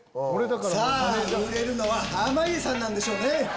さぁ売れるのは濱家さんなんでしょうね。